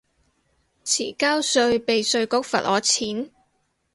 遲交稅被稅局罰我錢